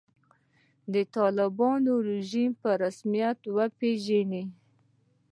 د طالبانو رژیم په رسمیت وپېژني.